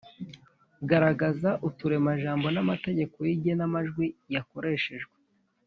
garagaza uturemajambo n’amategeko y’igenamajwi yakoreshejwe